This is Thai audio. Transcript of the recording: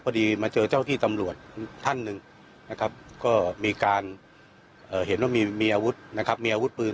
พอดีมาเจอเจ้าที่ตำรวจท่านหนึ่งก็เห็นว่ามีอาวุธมีอาวุธปืน